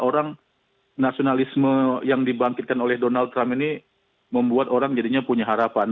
orang nasionalisme yang dibangkitkan oleh donald trump ini membuat orang jadinya punya harapan